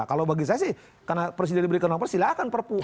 kalau bagi saya sih karena presiden diberikan nomor silahkan perpu